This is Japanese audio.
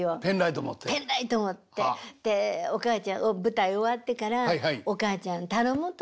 ペンライト持ってでお母ちゃん舞台終わってから「お母ちゃん頼む」と。